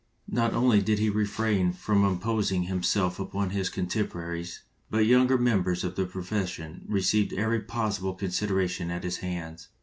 Not only did he refrain from imposing him self upon his contemporaries, but younger mem bers of the profession received every possible consideration at his hands.